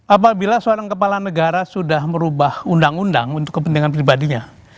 apabila seorang kepala negara sudah merubah undang undang untuk kepentingan pribadinya